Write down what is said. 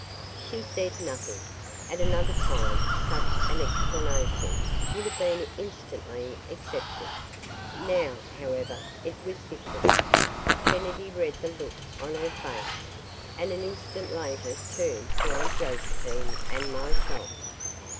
She said nothing. At another time, such an explanation would have been instantly accepted. Now, however, it was different. Kennedy read the look on her face, and an instant later turned to Aunt Josephine and myself.